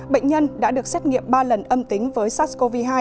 bệnh nhân đã được xét nghiệm ba lần âm tính với sars cov hai